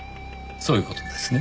そういう事ですね。